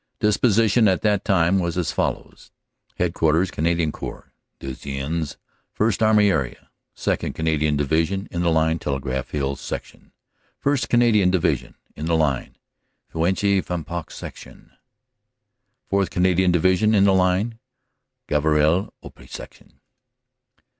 Disposition at that time was as follows : Headquarters Canadian Corps, Duisans (First Army Area) ; 2nd. Canadian Division, in the line, Telegraph Hill Section; 1st. Canadian Division, in the line, Feuchy Fampoux Section; 4th. Canadian Division, in the line, Gavrelle Oppy Section.